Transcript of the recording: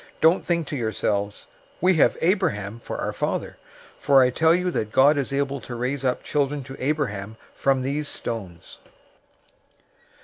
003:009 Don't think to yourselves, 'We have Abraham for our father,' for I tell you that God is able to raise up children to Abraham from these stones.